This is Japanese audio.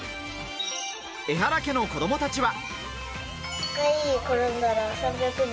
エハラ家の子供たちは。